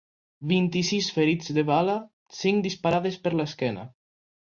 Vint-i-sis ferits de bala, cinc disparades per l’esquena.